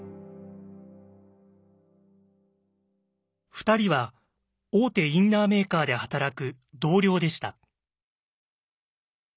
２人は大手インナーメーカーで働く同僚でした。